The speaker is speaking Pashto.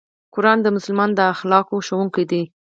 قرآن د مسلمان د اخلاقو ښوونکی دی.